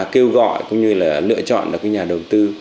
kêu gọi cũng như là lựa chọn được nhà đầu tư